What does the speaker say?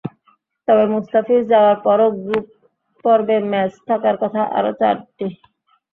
তবে মুস্তাফিজ যাওয়ার পরও গ্রুপ পর্বে ম্যাচ থাকার কথা আরও চারটি।